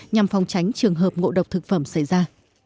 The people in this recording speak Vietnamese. nhằm phòng tránh trường hợp ngộ độc thực phẩm xảy ra